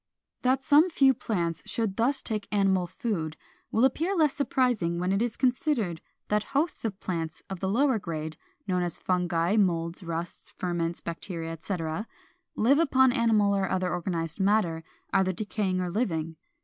479. That some few plants should thus take animal food will appear less surprising when it is considered that hosts of plants of the lower grade, known as Fungi, moulds, rusts, ferments, Bacteria, etc., live upon animal or other organized matter, either decaying or living.